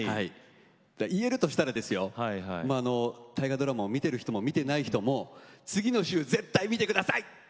言えるとしたらですよ大河ドラマを見ている人も見ていない人も次の週絶対見てください！